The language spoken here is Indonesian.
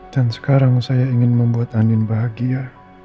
dan sekarang saya ingin membuat andin bahagia